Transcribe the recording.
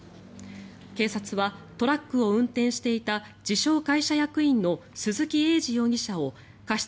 警察は、トラックを運転していた自称・会社役員の鈴木栄司容疑者を過失